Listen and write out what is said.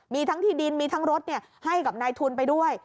มีทั้งที่ดินมีทั้งรถให้กับนายทุนไปด้วย